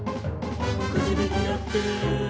「くじ引きやって」